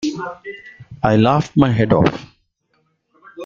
I laughed my head off!